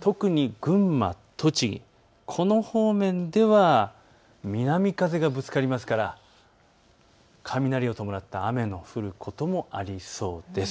特に群馬、栃木、この方面では南風がぶつかりますから雷を伴った雨の降ることもありそうです。